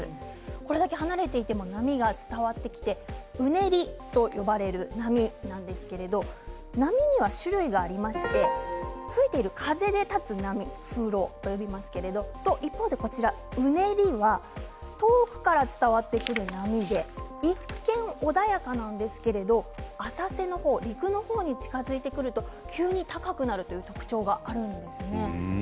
これだけ離れていても波が伝わってきてうねりと呼ばれる波なんですけれども波には種類がありまして吹いている風で立つ波風浪といいますけれども一方でうねりは遠くから伝わってくる波で一見、穏やかなんですけれども浅瀬の方、陸の方に近づいてくると、急に高くなるという特徴があるんです。